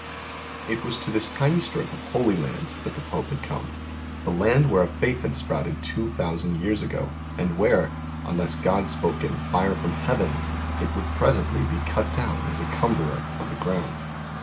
It was to this tiny strip of holy land that the Pope had come the land where a Faith had sprouted two thousand years ago, and where, unless God spoke in fire from heaven, it would presently be cut down as a cumberer of the ground.